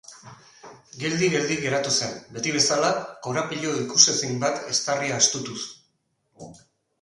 Geldi-geldi geratu zen, beti bezala, korapilo ikusezin bat eztarria estutuz.